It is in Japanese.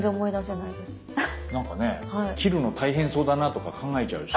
なんかね切るの大変そうだなとか考えちゃうし。